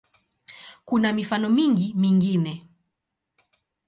Kuna mifano mingi mingine.